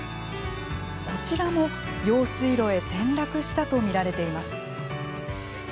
こちらも、用水路へ転落したとみられています。